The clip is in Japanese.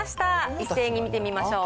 一斉に見てみましょう。